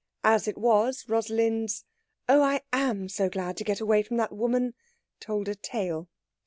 As it was, Rosalind's "Oh, I am so glad to get away from that woman!" told a tale.